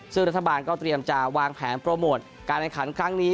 ซึ่งรัฐบาลก็เตรียมจะวางแผนโปรโมทการแข่งขันครั้งนี้